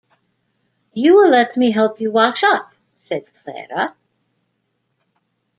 “You will let me help you wash up,” said Clara.